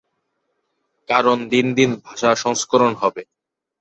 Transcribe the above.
কারণ দিন দিন ভাষা সংস্করণ হবে।